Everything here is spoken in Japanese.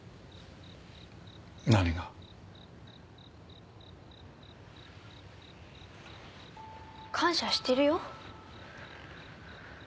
何が？感謝してるよ。